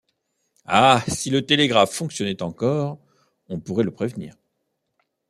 Ah si le télégraphe fonctionnait encore, on pourrait le prévenir